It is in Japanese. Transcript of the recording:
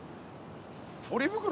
ポリ袋？